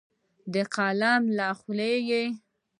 د قلم له خولې